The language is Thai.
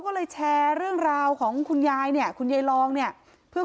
ก็เลยแชร์เรื่องราวของคุณยายเนี่ยคุณยายลองเนี่ยเพื่อ